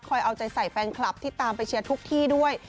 เอาใจใส่แฟนคลับที่ตามไปเชียร์ทุกที่ด้วย